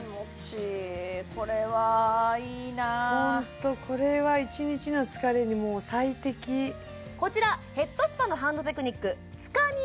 これはいいなホントこれは一日の疲れにもう最適こちらヘッドスパのハンドテクニックつかみ